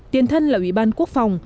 tiền thân là ủy ban quốc phòng